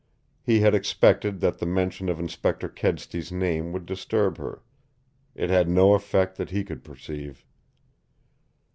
He had expected that the mention of Inspector Kedsty's name would disturb her. It had no effect that he could perceive.